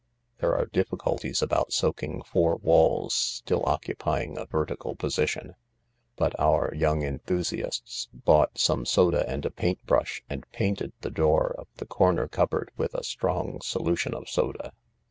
There are difficulties about soaking four walls still occupy ing a vertical position. But our young enthusiasts bought some soda and a paint brush and painted the door of the corner cupboard with a strong solution of soda.